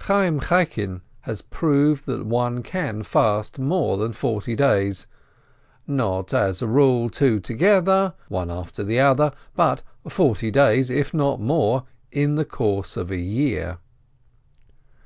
Chayyim Chaikin has proved that one can fast more than forty days; not, as a rule, two together, one after the other, but forty days, if not more, in the course of a year.